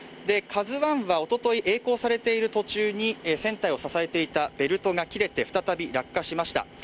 「ＫＡＺＵⅠ」はおととい、えい航されている途中に船体を支えていたベルトが切れて再び落下しました。